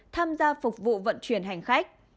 tham gia phục vụ vận chuyển hành khách